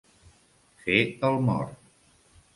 Fer el mort.